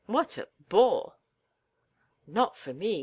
What a bore!" "Not for me.